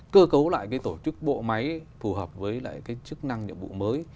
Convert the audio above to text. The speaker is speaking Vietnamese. cơ cấu lại cái tổ chức bộ máy phù hợp với lại cái chức năng nhiệm vụ mới